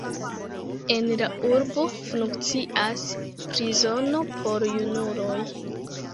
En la urbo funkcias prizono por junuloj.